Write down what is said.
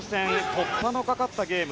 突破のかかったゲーム。